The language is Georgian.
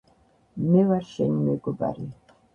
მე ვარ შენი მეგობარი